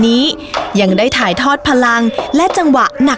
คุณผู้ชมอยู่กับดิฉันใบตองราชนุกูลที่จังหวัดสงคลาค่ะ